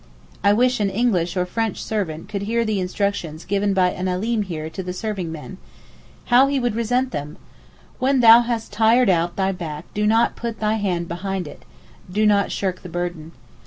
I wish an English or French servant could hear the instructions given by an Alim here to serving men. How he would resent them! 'When thou hast tired out thy back do not put thy hand behind it (do not shirk the burden).